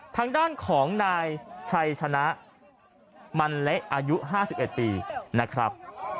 ทางด้านของนายชัยชนะมันเละอายุ๕๑ปีนะครับ